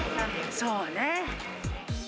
そうね。